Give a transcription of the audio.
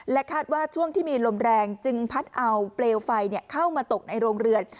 คาดว่าช่วงที่มีลมแรงจึงพัดเอาเปลวไฟเข้ามาตกในโรงเรือน